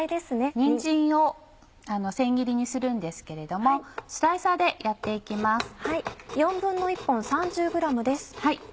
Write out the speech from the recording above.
にんじんを千切りにするんですけれどもスライサーでやって行きます。